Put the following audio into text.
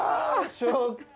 ショック。